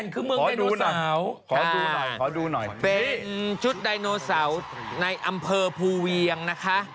ขอดูหน่อยเป็นชุดไดโนเสาในอำเภอภูเวียงนะคะ